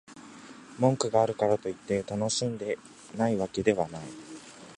文句があるからといって、楽しんでないわけではない